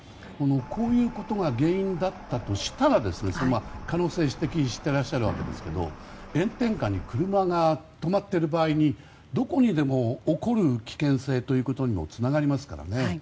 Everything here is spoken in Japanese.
こういうことが原因だったとしたらという可能性を指摘してらっしゃるわけですが炎天下に車が止まっている場合にどこにでも起こる危険性にもつながりますからね。